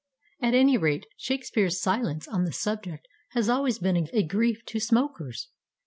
At any rate, Shakespeare's silence on the subject has always been a grief to smokers.